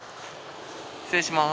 失礼します。